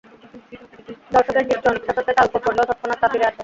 দর্শকের দৃষ্টি অনিচ্ছা সত্ত্বে তার উপর পড়লেও তৎক্ষণাৎ তা ফিরে আসে।